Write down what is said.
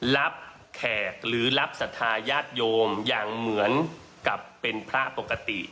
แขกหรือรับศรัทธาญาติโยมอย่างเหมือนกับเป็นพระปกติ